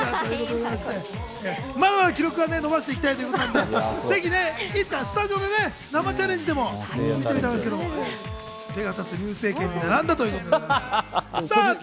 まだまだ記録は伸ばしていきたいということで、ぜひいつかスタジオでね、生チャレンジでもペガサス流星拳に並んだということで。